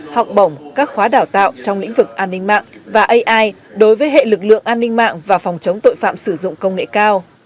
học bổng các khóa đào tạo trong lĩnh vực an ninh mạng và ai đối với hệ lực lượng an ninh mạng và phòng chống tội phạm sử dụng công nghệ cao